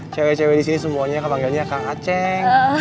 cewek cewek disini semuanya akan panggilnya akang aceng